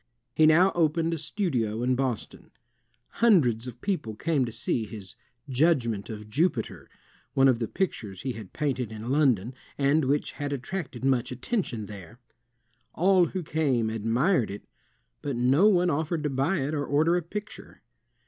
He now opened a studio in Boston. Hundreds of people came to see his "Judgment of Jupiter," one of the pictures he had painted in London and which had attracted much attention there. All who came admired it, but no one offered to buy it or order a picture.